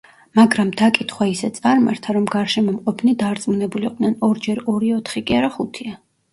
მაგრამ დაკითხვა ისე წარმართა, რომ გარშემო მყოფნი დარწმუნებულიყვნენ: ორჯერ ორი ოთხი კი არა ხუთია.